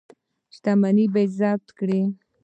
شتمني به یې ضبط کړه.